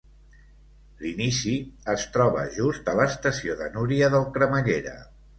L’inici es troba just a l’Estació de Núria del cremallera.